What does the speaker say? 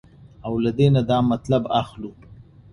او له دې نه دا مطلب اخلو